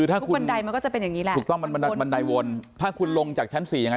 ถ้าคุณบันไดมันก็จะเป็นอย่างนี้แหละถูกต้องมันบันบันไดวนถ้าคุณลงจากชั้นสี่ยังไง